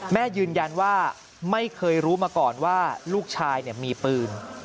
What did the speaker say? แม่ยืนยันว่าไม่เคยรู้มาก่อนว่าลูกชายมีปืน